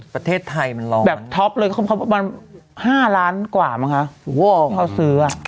ประเทศไทยมันรอแบบท็อปเลยประมาณห้าล้านกว่ามั้งคะเขาซื้ออ่ะ